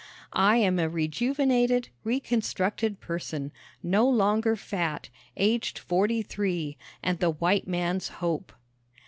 I am a rejuvenated, reconstructed person, no longer fat, aged forty three and the White Man's Hope!